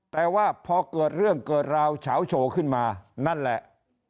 แต่ว่าพอเกิดเรื่องเกิดราวเฉาโชว์ขึ้นมานั่นแหละ